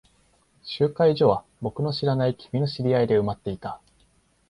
集会所は僕の知らない君の知り合いで埋まっていた。